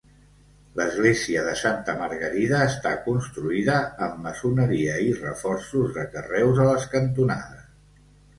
L'església de Santa Margarida està construïda amb maçoneria i reforços de carreus a les cantonades.